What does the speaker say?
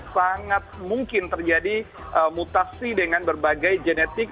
sangat mungkin terjadi mutasi dengan berbagai genetik